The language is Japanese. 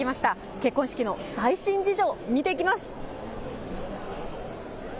結婚式の最新事情、見ていきます。